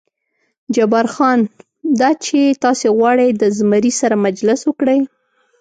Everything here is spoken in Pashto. جبار خان: دا چې تاسې غواړئ د زمري سره مجلس وکړئ.